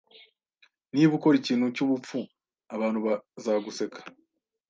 Niba ukora ikintu cyubupfu, abantu bazaguseka.